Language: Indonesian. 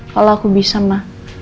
kalau aku bisa ma